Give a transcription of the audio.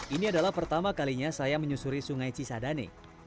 ini adalah pertama kalinya saya menyusuri sungai cisadane